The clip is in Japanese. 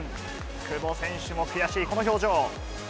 久保選手も悔しい、この表情。